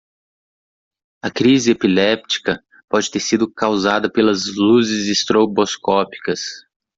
A crise epiléptica pode ter sido causada pelas luzes estroboscópicas.